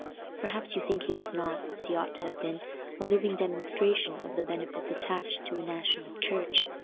Perhaps you think he was not—as he ought to have been—a living demonstration of the benefits attached to a national church?